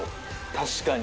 確かに。